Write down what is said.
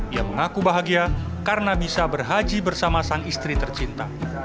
ia mengaku bahagia karena bisa berhaji bersama sang istri tercinta